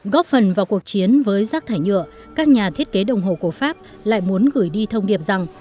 góp phần vào cuộc chiến với rác thải nhựa các nhà thiết kế đồng hồ của pháp lại muốn gửi đi thông điệp rằng